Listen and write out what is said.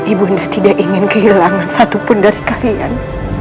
ibu nda tidak ingin kehilangan satupun dari kalian